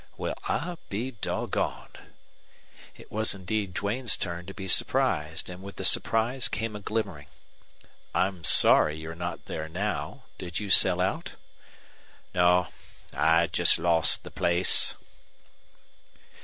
"Well, I'll be doggoned." It was indeed Duane's turn to be surprised, and with the surprise came a glimmering. "I'm sorry you're not there now. Did you sell out?" "No. Just lost the place."